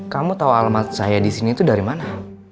kamu tau alamat saya disini itu dari mana